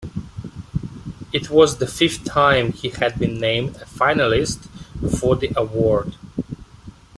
It was the fifth time he had been named a finalist for the award.